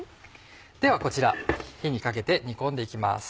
ではこちら火にかけて煮込んで行きます。